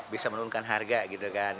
bisa menurunkan harga gitu kan